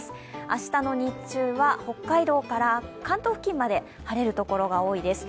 明日の日中は北海道から関東付近まで晴れる所が多いです。